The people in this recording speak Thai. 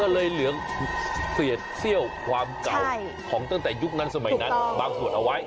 ก็เลยเหลืองเสียดเซี่ยวความเก่าของตั้งแต่ยุคนั้นสมัยนั้นบางส่วนเอาไว้